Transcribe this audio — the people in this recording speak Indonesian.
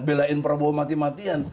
belain prabowo mati matian